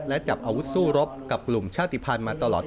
และจับอาวุธสู้รบกับกลุ่มชาติภัณฑ์มาตลอด